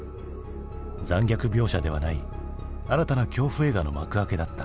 残虐描写ではない新たな恐怖映画の幕開けだった。